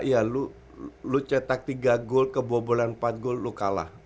ya lo cetak tiga goal kebobolan empat goal lo kalah